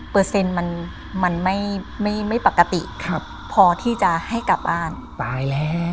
เปอร์เซ็นต์มันมันไม่ไม่ไม่ปกติครับพอที่จะให้กลับบ้านตายแล้ว